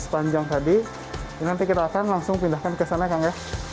panjang tadi ini nanti kita akan langsung pindahkan ke sana kang ya